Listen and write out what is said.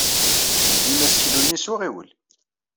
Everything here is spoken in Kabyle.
Tulim aseklu-nni s uɣiwel.